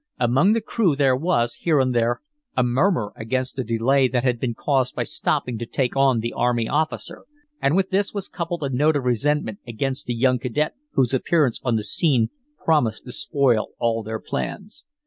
Among the crew there was, here and there, a murmur against the delay that had been caused by stopping to take on the army officer, and with this was coupled a note of resentment against the young cadet whose appearance on the scene promised to spoil all their plans.